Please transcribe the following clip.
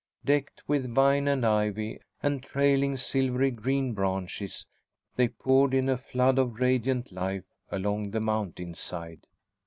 Decked with vine and ivy, and trailing silvery green branches, they poured in a flood of radiant life along the mountain side.